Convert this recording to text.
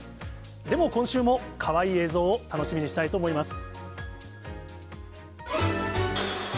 でも今週もかわいい映像を楽しみにしたいと思います。